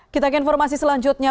kita ke informasi selanjutnya